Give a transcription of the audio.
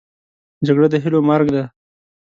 جګړه د هیلو مرګ دی